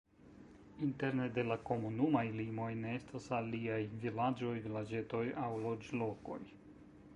Interne de la komunumaj limoj ne estas aliaj vilaĝoj, vilaĝetoj aŭ loĝlokoj.